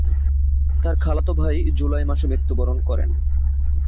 তার খালাতো ভাই জুলাই মাসে মৃত্যুবরণ করে।